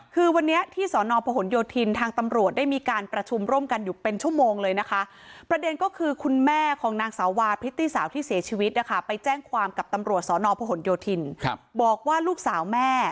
คือวันนี้ที่สนโผนโยธินทางตำรวจได้มีการประชุมร่วมกันอยู่เป็นชั่วโมงเลยนะคะ